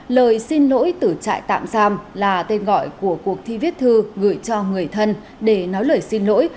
lời xin lỗi từ trại tạm giam là tên gọi của cuộc thi viết thư gửi cho người thân để nói lời xin lỗi